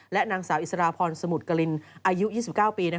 นางสาวอิสราพรสมุทรกรินอายุ๒๙ปี